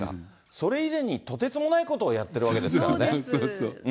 それ以前にとてつもないことをやってるわけですからね。